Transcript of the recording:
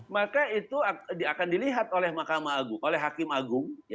maka itu akan dilihat oleh hakim agung